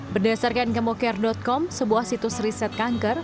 berdasarkan kemoker com sebuah situs riset kanker